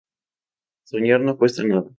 Soñar no cuesta nada